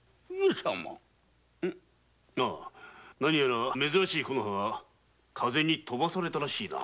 なにやら珍しい木の葉が風に飛ばされたらしいな。